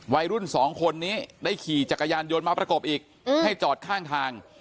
วัยรุ่นสองคนนี้ได้ขี่จักรยานยนต์มาประกบอีกให้จอดข้างทาง